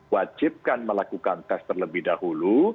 wajibkan melakukan tes terlebih dahulu